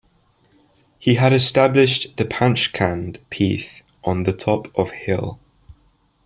He had established the Panchkhand Peeth on the top of hill.